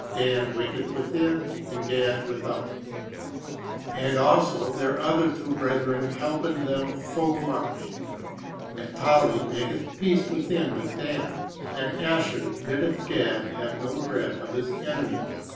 Dan waketh within, and Gad without; and also their other two brethren helpen them full much: Naphtali maketh peace within with Dan, and Asher biddeth Gad have no dread of his enemies.